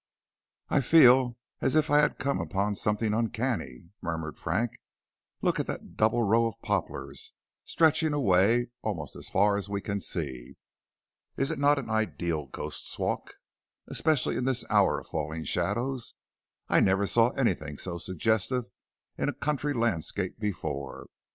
"I feel as if I had come upon something uncanny," murmured Frank. "Look at that double row of poplars stretching away almost as far as we can see? Is it not an ideal Ghost's Walk, especially in this hour of falling shadows. I never saw anything so suggestive in a country landscape before.